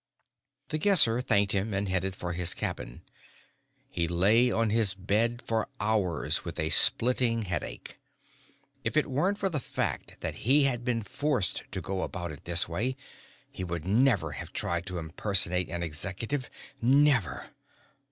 The Guesser thanked him and headed for his cabin. He lay on his bed for hours with a splitting headache. If it weren't for the fact that he had been forced to go about it this way, he would never have tried to impersonate an Executive. Never!